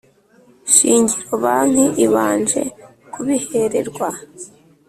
Shingiro banki ibanje kubihererwa